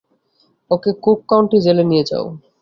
ওকে Cook County জেলে নিয়ে যাও।